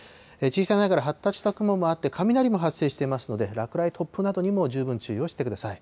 小さいながら発達した雲もあって、雷も発生していますので、落雷、突風などにも十分注意をしてください。